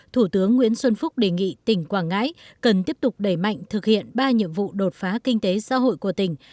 thủ tướng nguyễn xuân phúc đề nghị tỉnh quảng ngãi cần tiếp tục đẩy mạnh thực hiện ba nhiệm vụ đột phá kinh tế xã hội của tỉnh